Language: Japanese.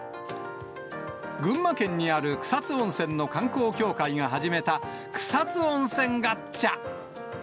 群馬県にある草津温泉の観光協会が始めた草津温泉ガッチャ！